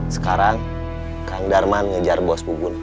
sekarang kang darman ngejar bos bubun